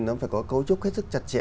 nó phải có cấu trúc hết sức chặt chẽ